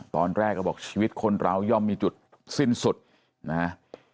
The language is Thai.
ตอนแรกก็บอกชีวิตคนเราย่อมมีจุดสิ้นสุดนะฮะ